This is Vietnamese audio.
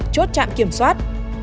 chốt chặn kiểm soát